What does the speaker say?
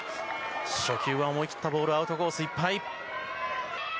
初球は思い切ったボール、アウトコースいっぱい。